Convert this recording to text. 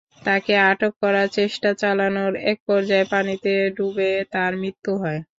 তাঁকে আটক করার চেষ্টা চালানোর একপর্যায়ে পানিতে ডুবে তাঁর মৃত্যু হয়।